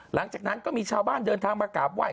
หลังจากนั้นก็มีชาวบ้านเดินทางมากราบไหว้